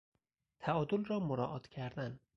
تعادل را مراعات کردن